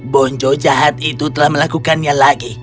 bonjo jahat itu telah melakukannya lagi